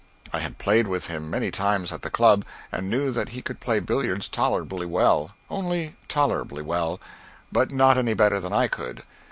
I had played with him many times at the club, and knew that he could play billiards tolerably well only tolerably well but not any better than I could.